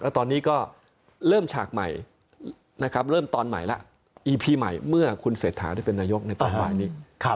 แล้วตอนนี้ก็เริ่มฉากใหม่นะครับเริ่มตอนใหม่แล้วอีพีใหม่เมื่อคุณเศรษฐาได้เป็นนายกในตอนบ่ายนี้